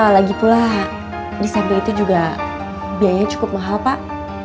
lagi pula di samping itu juga biayanya cukup mahal pak